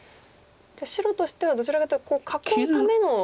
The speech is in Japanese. じゃあ白としてはどちらかというと囲うための。